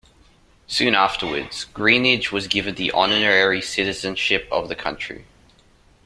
Soon afterwards Greenidge was given the honorary citizenship of the country.